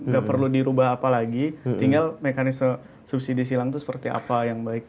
gak perlu dirubah apa lagi tinggal mekanisme subsidi silang itu seperti apa yang baik